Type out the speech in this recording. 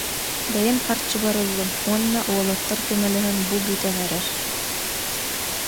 Бэйэм харчыбар ыллым уонна уолаттар көмөлөһөн бу бүтэн эрэр